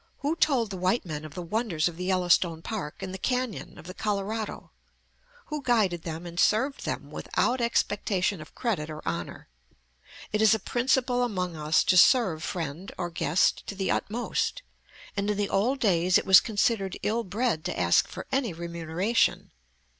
Who told the white men of the wonders of the Yellowstone Park and the canyon of the Colorado? Who guided them and served them without expectation of credit or honor? It is a principle among us to serve friend or guest to the utmost, and in the old days it was considered ill bred to ask for any remuneration.